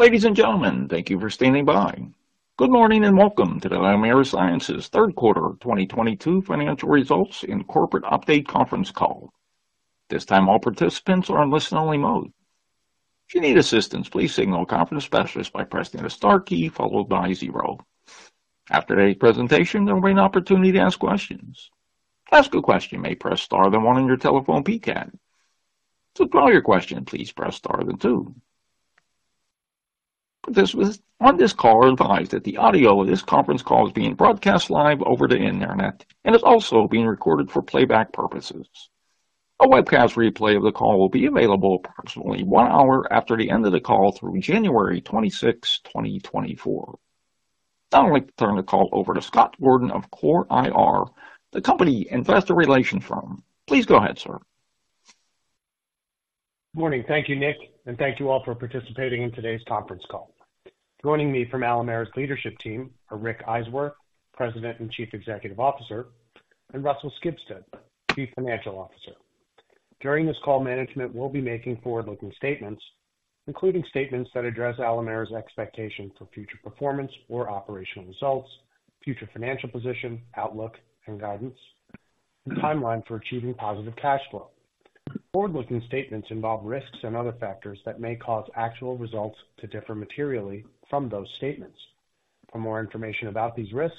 Ladies and gentlemen, thank you for standing by. Good morning, and welcome to the Alimera Sciences third quarter 2022 financial results and corporate update conference call. This time, all participants are in listen-only mode. If you need assistance, please signal a conference specialist by pressing the star key followed by zero. After the presentation, there will be an opportunity to ask questions. To ask a question, you may press star, then one on your telephone keypad. To withdraw your question, please press star, then two. Participants on this call are advised that the audio of this conference call is being broadcast live over the Internet and is also being recorded for playback purposes. A webcast replay of the call will be available approximately one hour after the end of the call through January 26, 2024. Now I'd like to turn the call over to Scott Gordon of CORE IR, the company investor relations firm. Please go ahead, sir. Morning. Thank you, Nick, and thank you all for participating in today's conference call. Joining me from Alimera's leadership team are Rick Eiswirth, President and Chief Executive Officer, and Russell Skibsted, Chief Financial Officer. During this call, management will be making forward-looking statements, including statements that address Alimera's expectation for future performance or operational results, future financial position, outlook and guidance, and timeline for achieving positive cash flow. Forward-looking statements involve risks and other factors that may cause actual results to differ materially from those statements. For more information about these risks,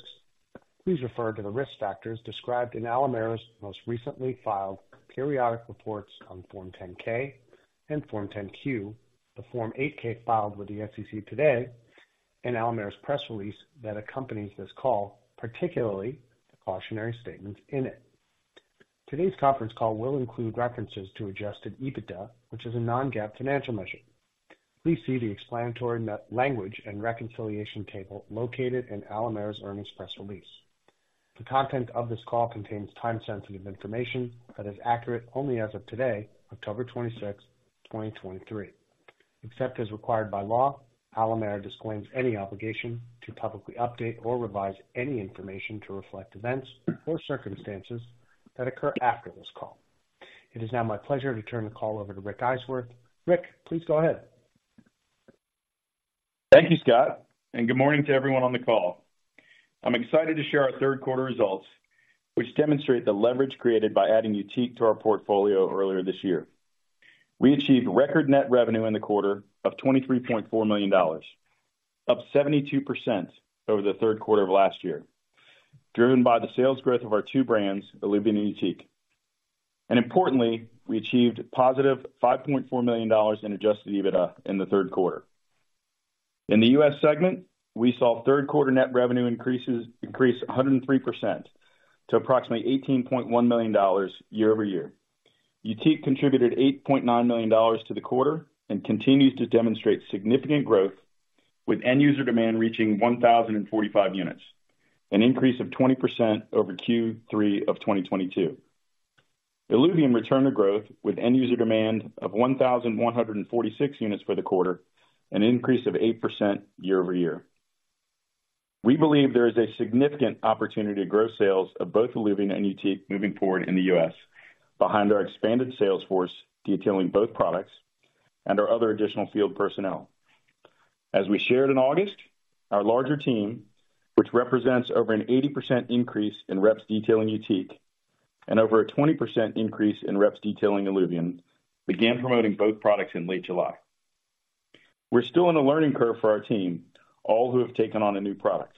please refer to the risk factors described in Alimera's most recently filed periodic reports on Form 10-K and Form 10-Q, the Form 8-K filed with the SEC today, and Alimera's press release that accompanies this call, particularly the cautionary statements in it. Today's conference call will include references to adjusted EBITDA, which is a non-GAAP financial measure. Please see the explanatory net language and reconciliation table located in Alimera's earnings press release. The content of this call contains time-sensitive information that is accurate only as of today, October 26, 2023. Except as required by law, Alimera disclaims any obligation to publicly update or revise any information to reflect events or circumstances that occur after this call. It is now my pleasure to turn the call over to Rick Eiswirth. Rick, please go ahead. Thank you, Scott, and good morning to everyone on the call. I'm excited to share our third quarter results, which demonstrate the leverage created by adding YUTIQ to our portfolio earlier this year. We achieved record net revenue in the quarter of $23.4 million, up 72% over the third quarter of last year, driven by the sales growth of our two brands, ILUVIEN and YUTIQ. Importantly, we achieved positive $5.4 million in adjusted EBITDA in the third quarter. In the U.S. segment, we saw third quarter net revenue increase 103% to approximately $18.1 million year-over-year. YUTIQ contributed $8.9 million to the quarter and continues to demonstrate significant growth, with end user demand reaching 1,045 units, an increase of 20% over Q3 of 2022. ILUVIEN returned to growth with end user demand of 1,146 units for the quarter, an increase of 8% year-over-year. We believe there is a significant opportunity to grow sales of both ILUVIEN and YUTIQ moving forward in the U.S., behind our expanded sales force detailing both products and our other additional field personnel. As we shared in August, our larger team, which represents over an 80% increase in reps detailing YUTIQ and over a 20% increase in reps detailing ILUVIEN, began promoting both products in late July. We're still in a learning curve for our team, all who have taken on a new product.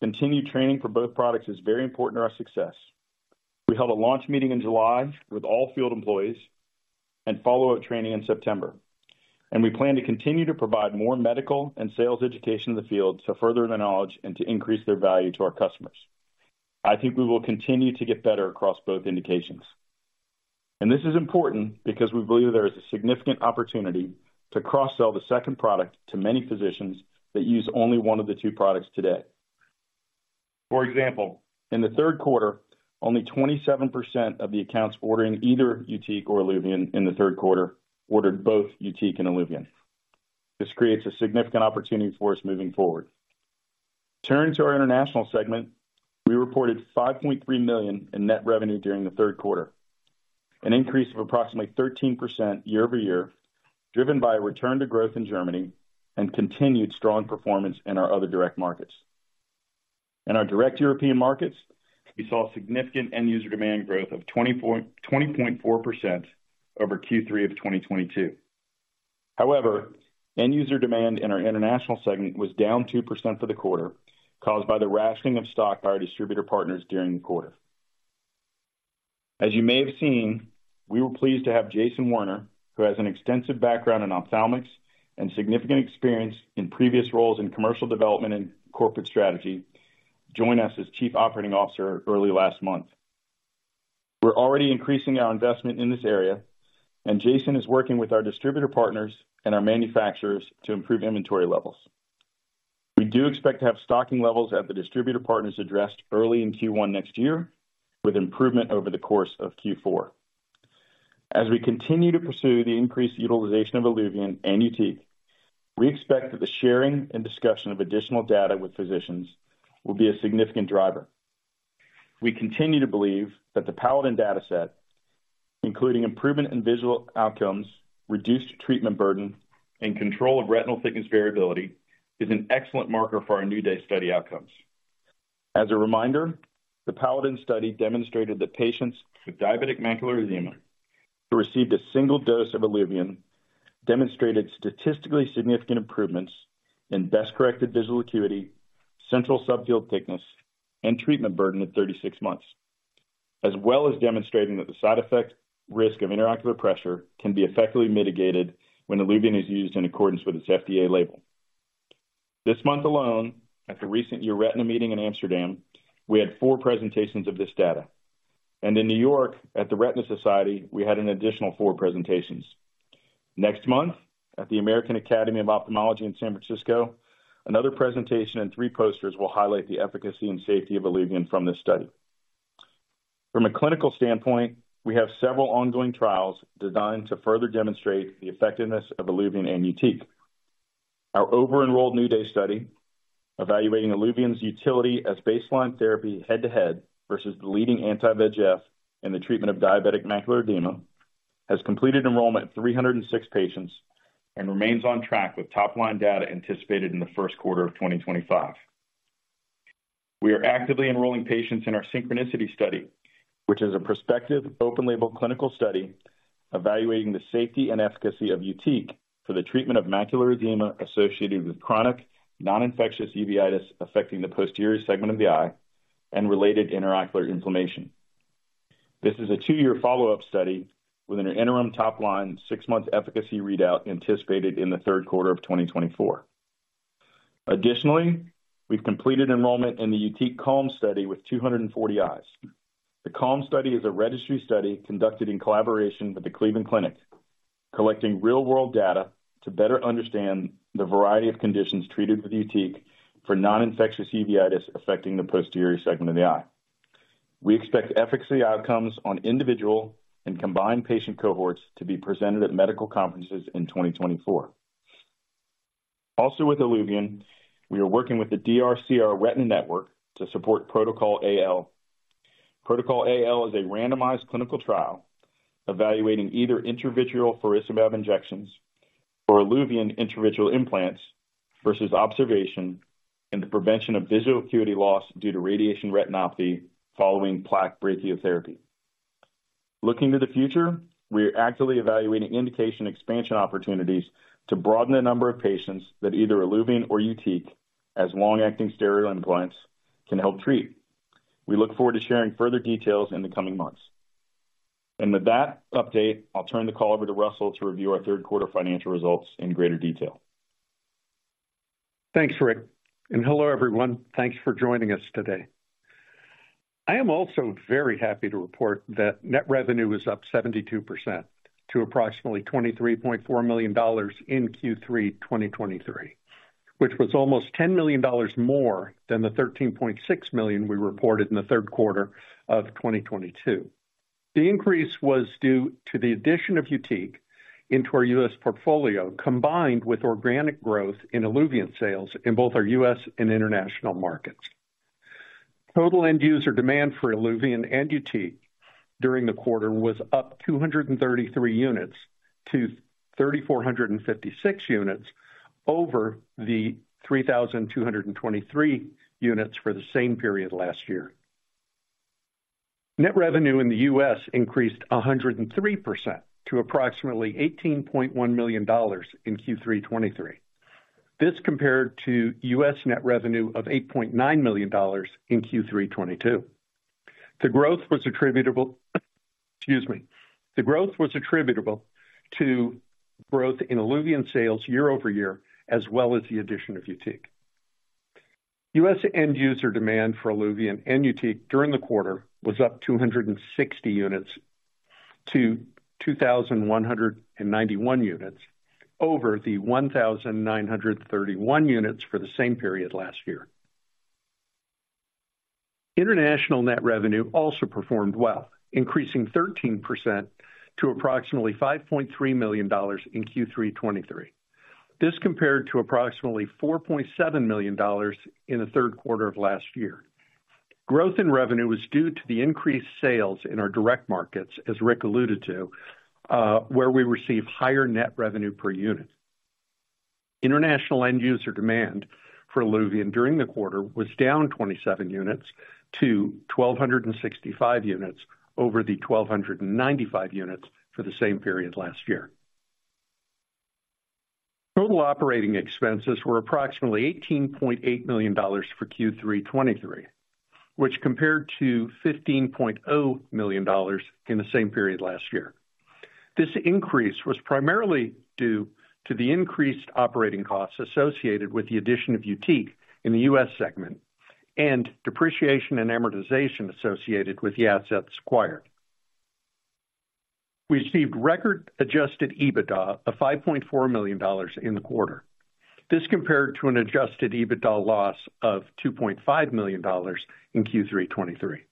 Continued training for both products is very important to our success. We held a launch meeting in July with all field employees and follow-up training in September, and we plan to continue to provide more medical and sales education in the field to further their knowledge and to increase their value to our customers. I think we will continue to get better across both indications. This is important because we believe there is a significant opportunity to cross-sell the second product to many physicians that use only one of the two products today. For example, in the third quarter, only 27% of the accounts ordering either YUTIQ or ILUVIEN in the third quarter ordered both YUTIQ and ILUVIEN. This creates a significant opportunity for us moving forward. Turning to our international segment, we reported $5.3 million in net revenue during the third quarter, an increase of approximately 13% year-over-year, driven by a return to growth in Germany and continued strong performance in our other direct markets. In our direct European markets, we saw significant end user demand growth of 20.4% over Q3 of 2022. However, end user demand in our international segment was down 2% for the quarter, caused by the rationing of stock by our distributor partners during the quarter. As you may have seen, we were pleased to have Jason Werner, who has an extensive background in ophthalmics and significant experience in previous roles in commercial development and corporate strategy, join us as Chief Operating Officer early last month. We're already increasing our investment in this area, and Jason is working with our distributor partners and our manufacturers to improve inventory levels. We do expect to have stocking levels at the distributor partners addressed early in Q1 next year, with improvement over the course of Q4. As we continue to pursue the increased utilization of ILUVIEN and YUTIQ, we expect that the sharing and discussion of additional data with physicians will be a significant driver. We continue to believe that the PALADIN data set, including improvement in visual outcomes, reduced treatment burden, and control of retinal thickness variability, is an excellent marker for our NEW DAY study outcomes. As a reminder, the PALADIN study demonstrated that patients with diabetic macular edema who received a single dose of ILUVIEN demonstrated statistically significant improvements in best-corrected visual acuity, central subfield thickness, and treatment burden at 36 months, as well as demonstrating that the side effect risk of intraocular pressure can be effectively mitigated when ILUVIEN is used in accordance with its FDA label. This month alone, at the recent EURETINA meeting in Amsterdam, we had four presentations of this data, and in New York, at the Retina Society, we had an additional four presentations. Next month, at the American Academy of Ophthalmology in San Francisco, another presentation and three posters will highlight the efficacy and safety of ILUVIEN from this study. From a clinical standpoint, we have several ongoing trials designed to further demonstrate the effectiveness of ILUVIEN and YUTIQ. Our over-enrolled NEW DAY study, evaluating ILUVIEN's utility as baseline therapy head-to-head versus the leading anti-VEGF in the treatment of diabetic macular edema, has completed enrollment of 306 patients and remains on track with top-line data anticipated in the first quarter of 2025. We are actively enrolling patients in our SYNCHRONICITY study, which is a prospective, open-label clinical study evaluating the safety and efficacy of YUTIQ for the treatment of macular edema associated with chronic non-infectious uveitis affecting the posterior segment of the eye and related intraocular inflammation. This is a two-year follow-up study with an interim top-line six-month efficacy readout anticipated in the third quarter of 2024. Additionally, we've completed enrollment in the YUTIQ CALM study with 240 eyes. The CALM study is a registry study conducted in collaboration with the Cleveland Clinic, collecting real-world data to better understand the variety of conditions treated with YUTIQ for non-infectious uveitis affecting the posterior segment of the eye. We expect efficacy outcomes on individual and combined patient cohorts to be presented at medical conferences in 2024. Also with ILUVIEN, we are working with the DRCR Retina Network to support Protocol AL. Protocol AL is a randomized clinical trial evaluating either intravitreal bevacizumab injections or ILUVIEN intravitreal implants versus observation in the prevention of visual acuity loss due to radiation retinopathy following plaque brachytherapy. Looking to the future, we are actively evaluating indication expansion opportunities to broaden the number of patients that either ILUVIEN or YUTIQ, as long-acting steroid implants, can help treat. We look forward to sharing further details in the coming months. With that update, I'll turn the call over to Russell to review our third quarter financial results in greater detail. Thanks, Rick, and hello, everyone. Thanks for joining us today. I am also very happy to report that net revenue was up 72% to approximately $23.4 million in Q3 2023, which was almost $10 million more than the $13.6 million we reported in the third quarter of 2022. The increase was due to the addition of YUTIQ into our U.S. portfolio, combined with organic growth in ILUVIEN sales in both our U.S. and international markets. Total end user demand for ILUVIEN and YUTIQ during the quarter was up 233 units to 3,456 units over the 3,223 units for the same period last year. Net revenue in the U.S. increased 103% to approximately $18.1 million in Q3 2023. This compared to U.S. net revenue of $8.9 million in Q3 2022. The growth was attributable, excuse me. The growth was attributable to growth in ILUVIEN sales year-over-year, as well as the addition of YUTIQ. U.S. end user demand for ILUVIEN and YUTIQ during the quarter was up 260 units to 2,191 units over the 1,931 units for the same period last year. International net revenue also performed well, increasing 13% to approximately $5.3 million in Q3 2023. This compared to approximately $4.7 million in the third quarter of last year. Growth in revenue was due to the increased sales in our direct markets, as Rick alluded to, where we receive higher net revenue per unit. International end user demand for ILUVIEN during the quarter was down 27 units to 1,265 units over the 1,295 units for the same period last year. Total operating expenses were approximately $18.8 million for Q3 2023, which compared to $15.0 million in the same period last year. This increase was primarily due to the increased operating costs associated with the addition of YUTIQ in the U.S. segment and depreciation and amortization associated with the assets acquired. We received record Adjusted EBITDA of $5.4 million in the quarter. This compared to an Adjusted EBITDA loss of $2.5 million in Q3 2023.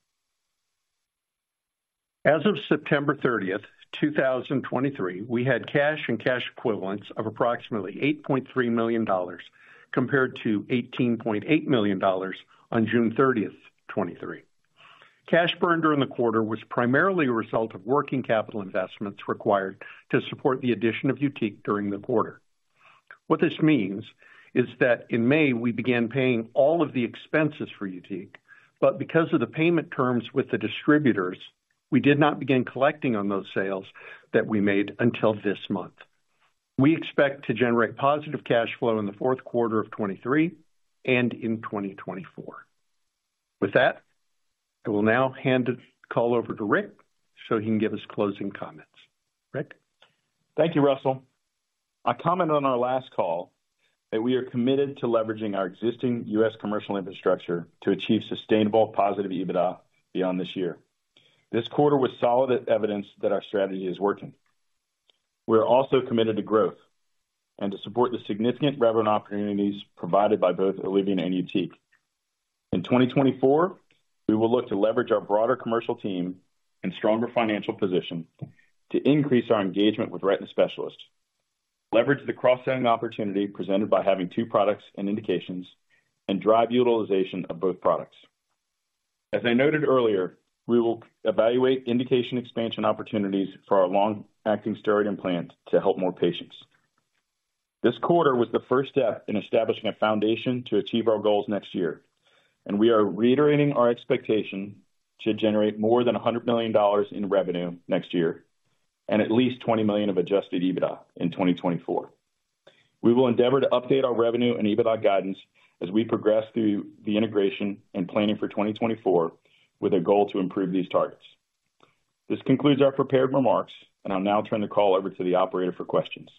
As of September 30, 2023, we had cash and cash equivalents of approximately $8.3 million, compared to $18.8 million on June 30, 2023. Cash burn during the quarter was primarily a result of working capital investments required to support the addition of YUTIQ during the quarter. What this means is that in May, we began paying all of the expenses for YUTIQ, but because of the payment terms with the distributors, we did not begin collecting on those sales that we made until this month. We expect to generate positive cash flow in the fourth quarter of 2023 and in 2024. With that, I will now hand the call over to Rick so he can give us closing comments. Rick? Thank you, Russell. I commented on our last call that we are committed to leveraging our existing U.S. commercial infrastructure to achieve sustainable positive EBITDA beyond this year. This quarter was solid evidence that our strategy is working. We are also committed to growth and to support the significant revenue opportunities provided by both ILUVIEN and YUTIQ. In 2024, we will look to leverage our broader commercial team and stronger financial position to increase our engagement with retina specialists, leverage the cross-selling opportunity presented by having two products and indications, and drive utilization of both products. As I noted earlier, we will evaluate indication expansion opportunities for our long-acting steroid implant to help more patients. This quarter was the first step in establishing a foundation to achieve our goals next year, and we are reiterating our expectation to generate more than $100 million in revenue next year and at least $20 million of adjusted EBITDA in 2024. We will endeavor to update our revenue and EBITDA guidance as we progress through the integration and planning for 2024, with a goal to improve these targets. This concludes our prepared remarks, and I'll now turn the call over to the operator for questions.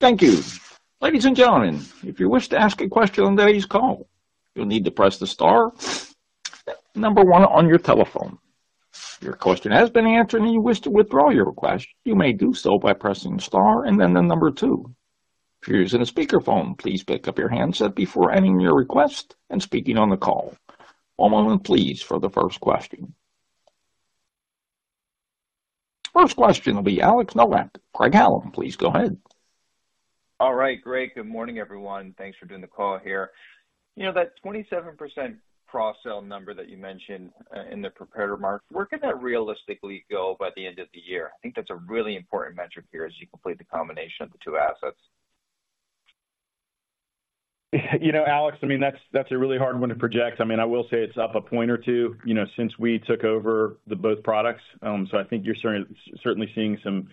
Thank you. Ladies and gentlemen, if you wish to ask a question on today's call, you'll need to press the star number one on your telephone. If your question has been answered and you wish to withdraw your request, you may do so by pressing star and then the number two. If you're using a speakerphone, please pick up your handset before ending your request and speaking on the call. One moment, please, for the first question. First question will be Alex Nowak at Craig-Hallum. Please go ahead. All right, great. Good morning, everyone. Thanks for doing the call here. You know, that 27% cross-sell number that you mentioned in the prepared remarks, where could that realistically go by the end of the year? I think that's a really important metric here as you complete the combination of the two assets. You know, Alex, I mean, that's a really hard one to project. I mean, I will say it's up a point or two, you know, since we took over both products. So I think you're certainly seeing some,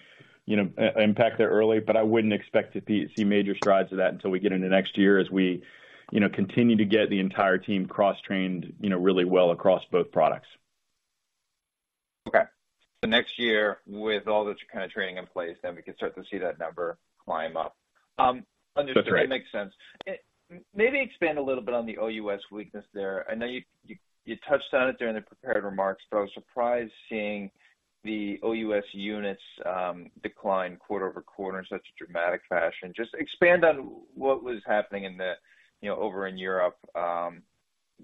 you know, impact there early, but I wouldn't expect to see major strides of that until we get into next year as we, you know, continue to get the entire team cross-trained, you know, really well across both products. Okay. So next year, with all the kind of training in place, then we can start to see that number climb up. Understood. That's right. That makes sense. Maybe expand a little bit on the OUS weakness there. I know you touched on it during the prepared remarks, but I was surprised seeing the OUS units decline quarter-over-quarter in such a dramatic fashion. Just expand on what was happening in the, you know, over in Europe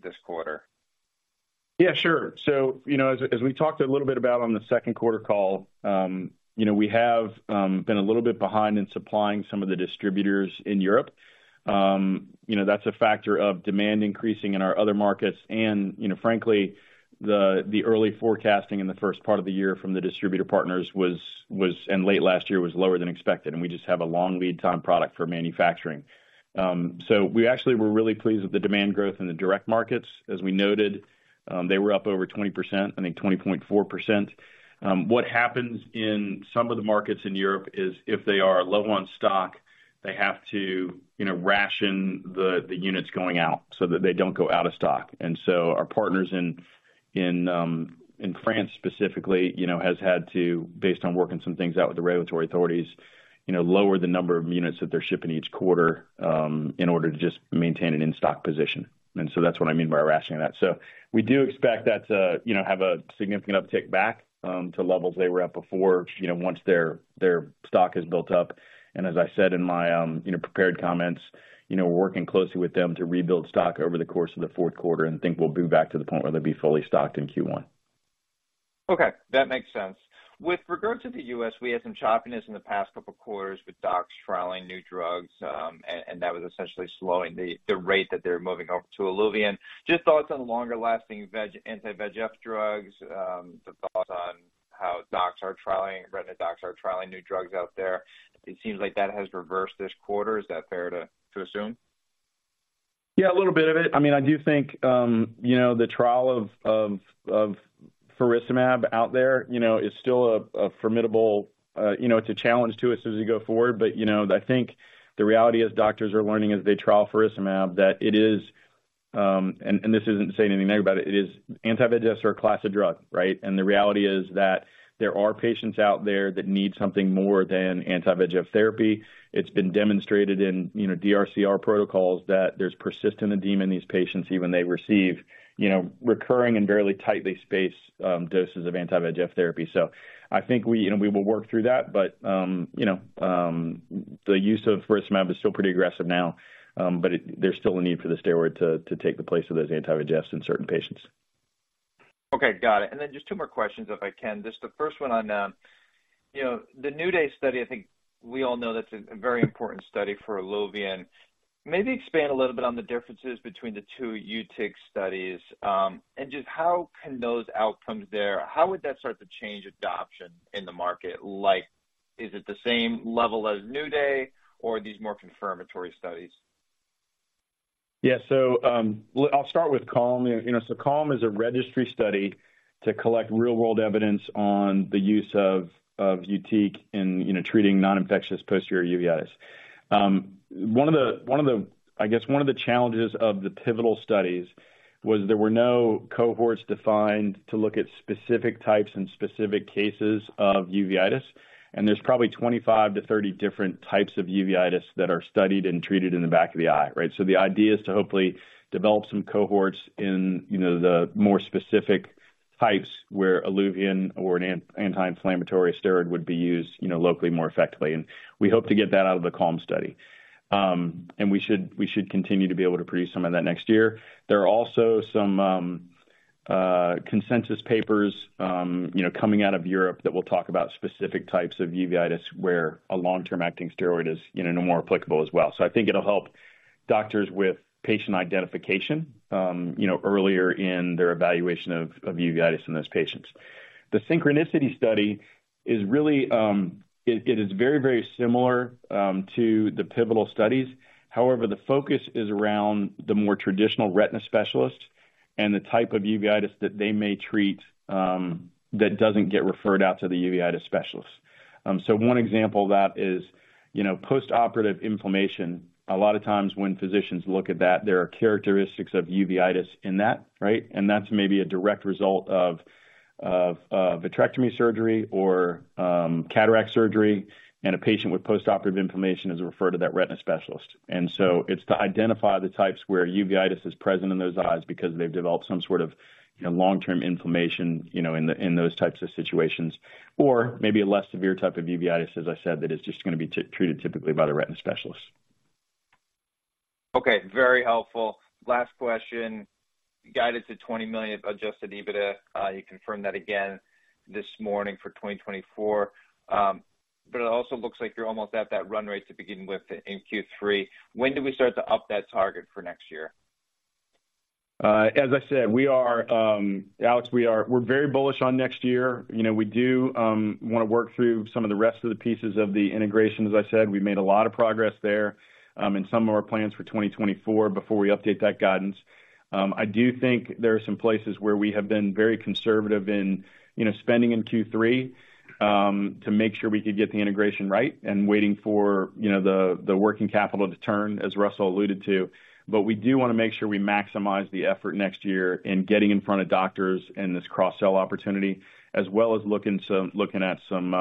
this quarter. Yeah, sure. You know, as we talked a little bit about on the second quarter call, you know, we have been a little bit behind in supplying some of the distributors in Europe. You know, that's a factor of demand increasing in our other markets and, you know, frankly, the early forecasting in the first part of the year from the distributor partners was, and late last year, was lower than expected, and we just have a long lead time product for manufacturing. We actually were really pleased with the demand growth in the direct markets. As we noted, they were up over 20%, I think 20.4%. What happens in some of the markets in Europe is if they are low on stock, they have to, you know, ration the units going out so that they don't go out of stock. And so our partners in France specifically, you know, has had to, based on working some things out with the regulatory authorities, you know, lower the number of units that they're shipping each quarter in order to just maintain an in-stock position. And so that's what I mean by rationing that. So we do expect that to, you know, have a significant uptick back to levels they were at before, you know, once their stock is built up. As I said in my, you know, prepared comments, you know, we're working closely with them to rebuild stock over the course of the fourth quarter and think we'll be back to the point where they'll be fully stocked in Q1. Okay, that makes sense. With regard to the U.S., we had some choppiness in the past couple of quarters with docs trialing new drugs, and that was essentially slowing the rate that they're moving over to ILUVIEN. Just thoughts on longer-lasting anti-VEGF drugs, the thoughts on how docs are trialing, retina docs are trialing new drugs out there. It seems like that has reversed this quarter. Is that fair to assume? Yeah, a little bit of it. I mean, I do think, you know, the trial of faricimab out there, you know, is still a formidable, you know, it's a challenge to us as we go forward. But, you know, I think the reality is doctors are learning as they trial faricimab, that it is, and this isn't to say anything negative about it, it is anti-VEGF are a class of drug, right? And the reality is that there are patients out there that need something more than anti-VEGF therapy. It's been demonstrated in, you know, DRCR protocols that there's persistent edema in these patients, even they receive, you know, recurring and fairly tightly spaced, doses of anti-VEGF therapy. So I think we, you know, we will work through that, but, you know, the use of faricimab is still pretty aggressive now, but it, there's still a need for the steroid to take the place of those anti-VEGFs in certain patients. ... Okay, got it. And then just two more questions, if I can. Just the first one on, you know, the NEW DAY study. I think we all know that's a very important study for ILUVIEN. Maybe expand a little bit on the differences between the two YUTIQ studies. And just how can those outcomes there, how would that start to change adoption in the market? Like, is it the same level as NEW DAY or these more confirmatory studies? Yeah. Look, I'll start with CALM. You know, CALM is a registry study to collect real-world evidence on the use of YUTIQ in, you know, treating non-infectious posterior uveitis. One of the, I guess one of the challenges of the pivotal studies was there were no cohorts defined to look at specific types and specific cases of uveitis, and there's probably 25-30 different types of uveitis that are studied and treated in the back of the eye, right? The idea is to hopefully develop some cohorts in, you know, the more specific types where ILUVIEN or an anti-inflammatory steroid would be used, you know, locally, more effectively. We hope to get that out of the CALM study. We should continue to be able to produce some of that next year. There are also some consensus papers, you know, coming out of Europe that will talk about specific types of uveitis, where a long-term acting steroid is, you know, more applicable as well. So I think it'll help doctors with patient identification, you know, earlier in their evaluation of uveitis in those patients. The SYNCHRONICITY study is really very, very similar to the pivotal studies. However, the focus is around the more traditional retina specialists and the type of uveitis that they may treat, that doesn't get referred out to the uveitis specialists. So one example of that is, you know, postoperative inflammation. A lot of times when physicians look at that, there are characteristics of uveitis in that, right? And that's maybe a direct result of vitrectomy surgery or cataract surgery, and a patient with postoperative inflammation is referred to that retina specialist. And so it's to identify the types where uveitis is present in those eyes because they've developed some sort of, you know, long-term inflammation, you know, in those types of situations, or maybe a less severe type of uveitis, as I said, that is just going to be treated typically by the retina specialist. Okay, very helpful. Last question. Guidance to $20 million Adjusted EBITDA. You confirmed that again this morning for 2024. But it also looks like you're almost at that run rate to begin with in Q3. When do we start to up that target for next year? As I said, we are, Alex, we're very bullish on next year. You know, we do want to work through some of the rest of the pieces of the integration. As I said, we've made a lot of progress there in some of our plans for 2024 before we update that guidance. I do think there are some places where we have been very conservative in, you know, spending in Q3 to make sure we could get the integration right and waiting for, you know, the working capital to turn, as Russell alluded to. But we do want to make sure we maximize the effort next year in getting in front of doctors and this cross-sell opportunity, as well as looking at some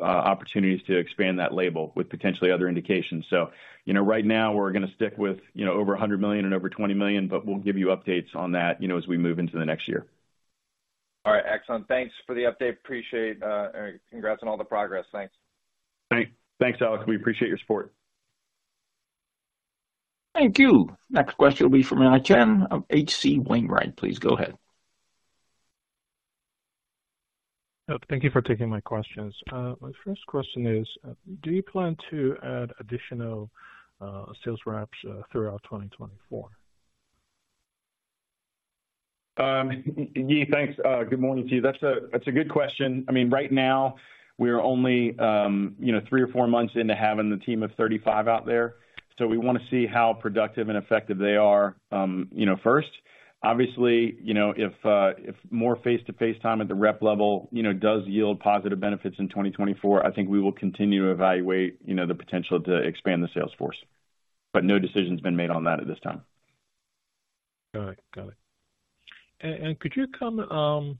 opportunities to expand that label with potentially other indications. So, you know, right now we're going to stick with, you know, over $100 million and over $20 million, but we'll give you updates on that, you know, as we move into the next year. All right, excellent. Thanks for the update. Appreciate, and congrats on all the progress. Thanks. Thanks, Alex. We appreciate your support. Thank you. Next question will be from Yi Chen of H.C. Wainwright. Please go ahead. Thank you for taking my questions. My first question is, do you plan to add additional sales reps throughout 2024? Yi, thanks. Good morning to you. That's a, that's a good question. I mean, right now we are only, you know, three or four months into having the team of 35 out there, so we want to see how productive and effective they are, you know, first. Obviously, you know, if more face-to-face time at the rep level, you know, does yield positive benefits in 2024, I think we will continue to evaluate, you know, the potential to expand the sales force. But no decision's been made on that at this time. Got it. Got it. And could you comment on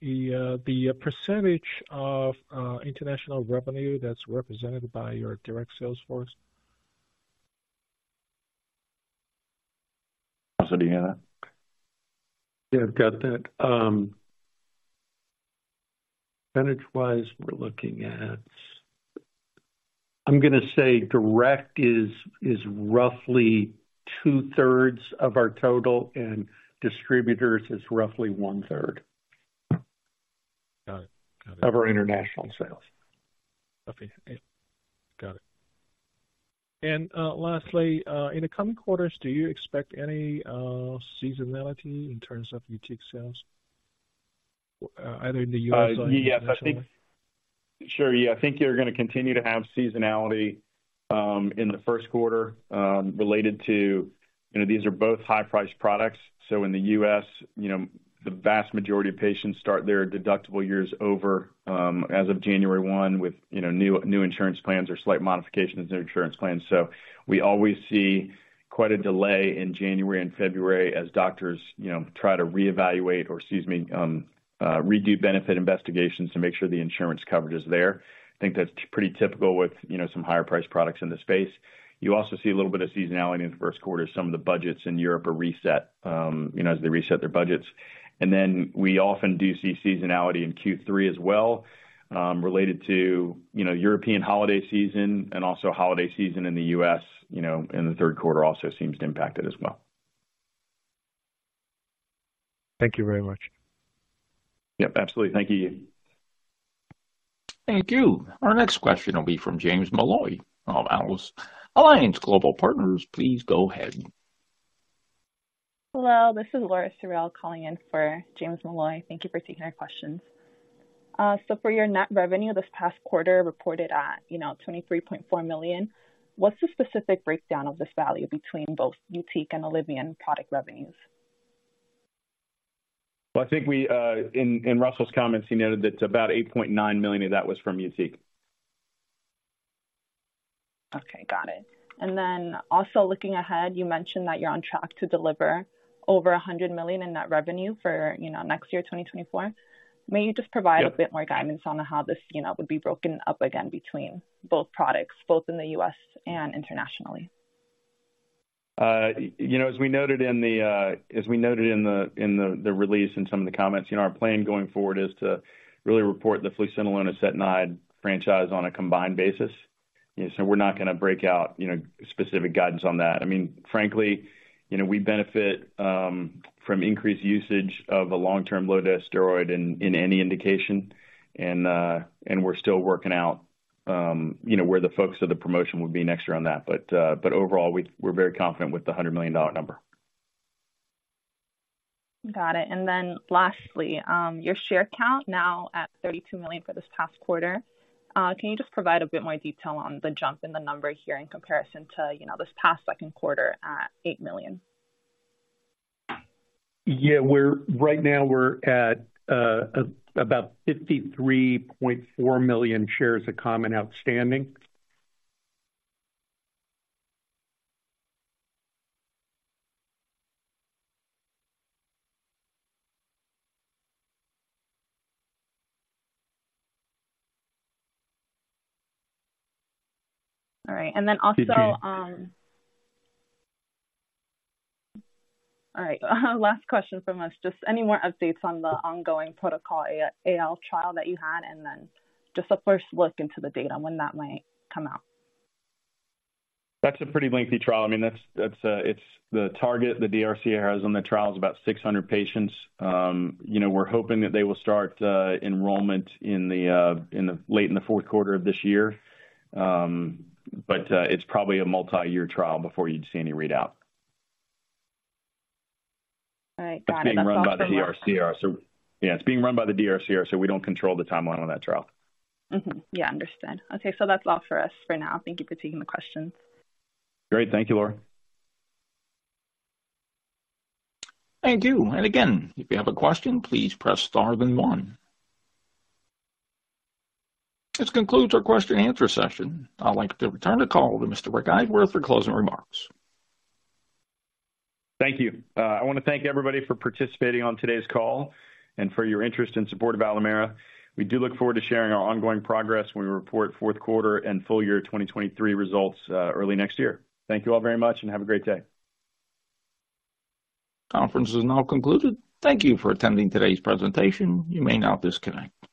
the percentage of international revenue that's represented by your direct sales force? Russell, do you have that? Yeah, I've got that. Percentage-wise, we're looking at... I'm gonna say direct is, is roughly two-thirds of our total, and distributors is roughly one-third. Got it. Of our international sales. Okay, got it. And, lastly, in the coming quarters, do you expect any seasonality in terms of YUTIQ sales, either in the U.S. or- Yes, I think. Sure. Yeah, I think you're going to continue to have seasonality in the first quarter related to, you know, these are both high-priced products. So in the U.S., you know, the vast majority of patients start their deductible years over as of January 1, with, you know, new, new insurance plans or slight modifications in insurance plans. So we always see quite a delay in January and February as doctors, you know, try to reevaluate or, excuse me, redo benefit investigations to make sure the insurance coverage is there. I think that's pretty typical with, you know, some higher-priced products in the space. You also see a little bit of seasonality in the first quarter. Some of the budgets in Europe are reset, you know, as they reset their budgets. We often do see seasonality in Q3 as well, related to, you know, European holiday season and also holiday season in the U.S., you know, in the third quarter also seems impacted as well.... Thank you very much. Yep, absolutely. Thank you. Thank you. Our next question will be from James Molloy of Alliance Global Partners. Please go ahead. Hello, this is Laura Suriel calling in for James Molloy. Thank you for taking our questions. So for your net revenue this past quarter, reported at, you know, $23.4 million, what's the specific breakdown of this value between both YUTIQ and ILUVIEN product revenues? Well, I think we, in Russell's comments, he noted that about $8.9 million of that was from YUTIQ. Okay, got it. And then also looking ahead, you mentioned that you're on track to deliver over $100 million in net revenue for, you know, next year, 2024. Yep. May you just provide a bit more guidance on how this, you know, would be broken up again between both products, both in the U.S. and internationally? You know, as we noted in the release and some of the comments, you know, our plan going forward is to really report the fluocinolone acetonide franchise on a combined basis. So we're not gonna break out, you know, specific guidance on that. I mean, frankly, you know, we benefit from increased usage of a long-term low-dose steroid in any indication. And we're still working out, you know, where the focus of the promotion would be next year on that. But overall, we're very confident with the $100 million number. Got it. And then lastly, your share count now at 32 million for this past quarter. Can you just provide a bit more detail on the jump in the number here in comparison to, you know, this past second quarter at 8 million? Yeah, we're right now we're at about 53.4 million shares of common outstanding. All right. And then also... All right. Last question from us. Just any more updates on the ongoing Protocol AL trial that you had, and then just a first look into the data and when that might come out? That's a pretty lengthy trial. I mean, that's, it's the target the DRCR has on the trial is about 600 patients. You know, we're hoping that they will start enrollment late in the fourth quarter of this year. But, it's probably a multiyear trial before you'd see any readout. All right. Got it. That's run by the DRCR. So, yeah, it's being run by the DRCR, so we don't control the timeline on that trial. Mm-hmm. Yeah, understood. Okay, so that's all for us for now. Thank you for taking the questions. Great. Thank you, Laura. Thank you. And again, if you have a question, please press Star, then one. This concludes our question and answer session. I'd like to return the call to Mr. Rick Eiswirth for closing remarks. Thank you. I want to thank everybody for participating on today's call and for your interest and support of Alimera. We do look forward to sharing our ongoing progress when we report fourth quarter and full year 2023 results, early next year. Thank you all very much and have a great day. Conference is now concluded. Thank you for attending today's presentation. You may now disconnect.